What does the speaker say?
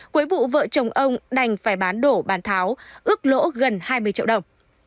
cuối vụ vợ chồng ông đành phải bán đổ bàn tháo ước lỗ gần hai mươi triệu đồng